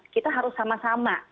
kita harus sama sama